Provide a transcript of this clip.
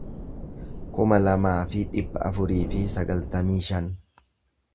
kuma lamaa fi dhibba afurii fi sagaltamii shan